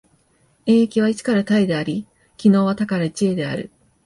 演繹は一から多へであり、帰納は多から一へである。